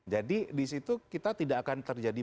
jadi disitu kita tidak akan terjadi